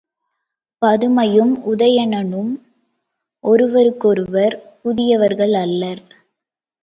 பதுமையும் உதயணனும் ஒருவருக்கொருவர் புதியவர்கள் அல்லர்.